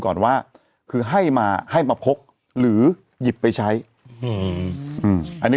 ก่อนว่าคือให้มาให้มาพกหรือหยิบไปใช้อืมอันนี้